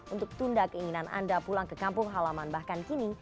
untuk tunda keinginan anda pulang ke kampung halaman bahkan kini